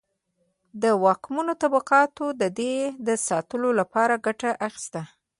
واکمنو طبقاتو د دې د ساتلو لپاره ګټه اخیسته.